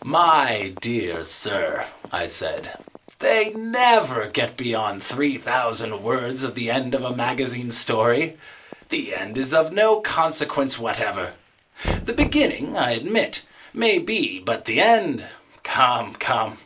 "My dear sir," I said, "they never get beyond three thousand words of the end of a magazine story. The end is of no consequence whatever. The beginning, I admit, may be, but the end! Come! Come!